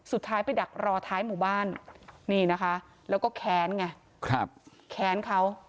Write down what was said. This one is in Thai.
สุดท้ายไปดักรอท้ายหมู่บ้านนี่นะคะแล้วก็แค้นไงแค้นเขา